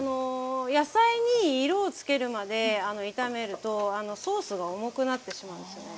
野菜に色をつけるまで炒めるとソースが重くなってしまうんですよね。